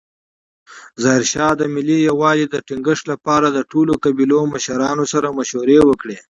ظاهرشاه د ملي یووالي د ټینګښت لپاره د ټولو قبیلو مشرانو سره مشورې وکړې.